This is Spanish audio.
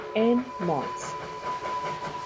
En Mons.